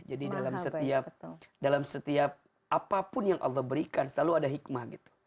jadi dalam setiap apapun yang allah berikan selalu ada hikmah